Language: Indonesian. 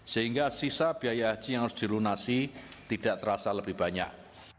sehingga sisa biaya haji yang harus dilunasi tidak terasa lebih banyak